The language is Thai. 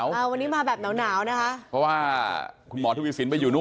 วันนี้มาแบบเหนานะคะเพราะว่าคุณหมอถ้าวิสิน